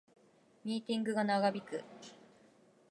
ミーティングが長引く